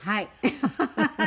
ハハハハ！